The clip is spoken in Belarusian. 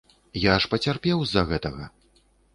Я ж пацярпеў з-за гэтага!